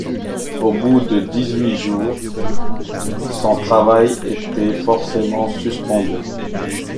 Au bout de dix-huit jours, son travail était forcément suspendu.